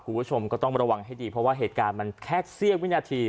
คุณผู้ชมก็ต้องระวังให้ดีเพราะว่าเหตุการณ์มันแค่เสี้ยวินาที